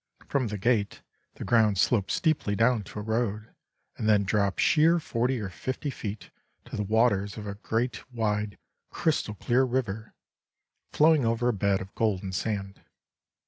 From the gate the ground sloped steeply down to a road, and then dropped sheer forty or fifty feet to the waters of a great, wide, crystal clear river, flowing over a bed of golden sand.